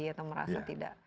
itu merasa tidak